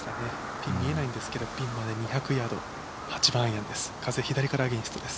ピン見えないんですけどピンまで２００ヤード８番アイアンです。